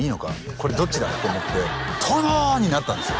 これどっちだ？と思って「殿！」になったんですよ